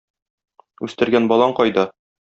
Үстергән балаң кайда?